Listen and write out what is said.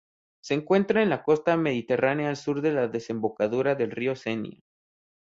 Se encuentra en la costa mediterránea al sur de la desembocadura del río Cenia.